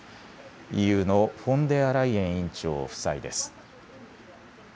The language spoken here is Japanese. ＥＵのフォンデアライエン委員長夫妻です。